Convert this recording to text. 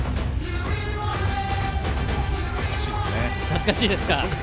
懐かしいですね。